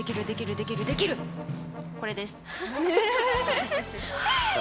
これです。